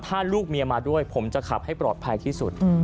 ถ้าลูกเมียมาด้วยผมจะขับให้ปลอดภัยที่สุด